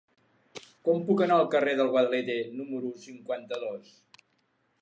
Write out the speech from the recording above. Com puc anar al carrer del Guadalete número cinquanta-dos?